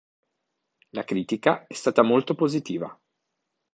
La critica è stata molto positiva.